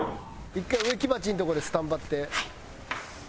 １回植木鉢のとこでスタンバって。